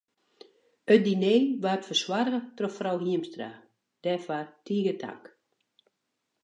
It diner waard fersoarge troch frou Hiemstra, dêrfoar tige tank.